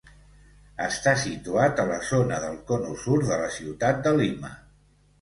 Està situat a la zona del Cono Sur de la ciutat de Lima.